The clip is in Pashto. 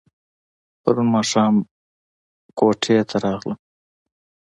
پرون ماښام کوټې ته راغلم.